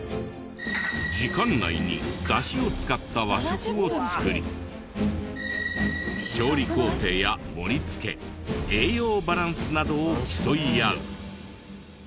時間内にだしを使った和食を作り調理工程や盛り付け栄養バランスなどを競い合う。